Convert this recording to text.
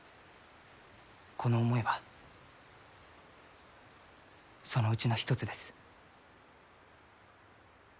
この思いはそのうちの一つです。